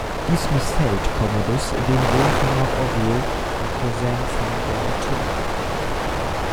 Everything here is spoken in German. Dies missfällt Commodus, dem Sohn von Mark Aurel und Cousin von Domitilla.